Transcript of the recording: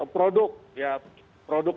produk ya produk